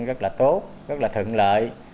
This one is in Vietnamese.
rất là tốt rất là thượng lợi